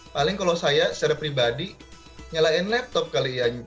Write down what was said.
paling kalau saya secara pribadi nyalain laptop kali ya